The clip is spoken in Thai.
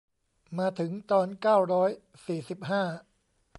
มาถึงตอน เก้าร้อยสี่สิบห้า